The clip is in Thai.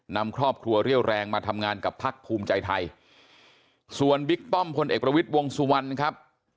นำครอบครัวเรี่ยวแรงมาทำงานกับพักภูมิใจไทยส่วนบิ๊กป้อมพลเอกประวิทย์วงสุวรรณครับ